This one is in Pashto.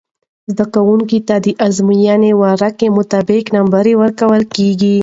زده کوونکو ته د ازموينې ورقعی مطابق نمرې ورکول کیږی